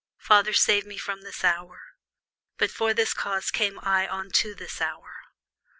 Father, save me from this hour: but for this cause came I unto this hour.